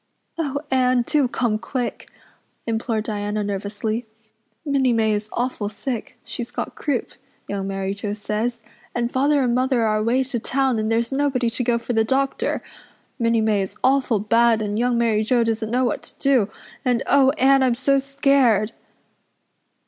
"Oh, Anne, do come quick," implored Diana nervously. "Minnie May is awful sick she's got croup. Young Mary Joe says and Father and Mother are away to town and there's nobody to go for the doctor. Minnie May is awful bad and Young Mary Joe doesn't know what to do and oh, Anne, I'm so scared!"